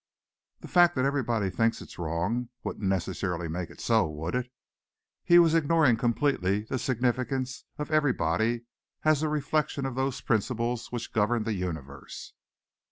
The fact that everybody thinks it's wrong wouldn't necessarily make it so, would it?" He was ignoring completely the significance of everybody as a reflection of those principles which govern the universe.